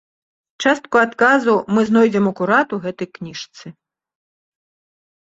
Частку адказаў мы знойдзем акурат у гэтай кніжцы.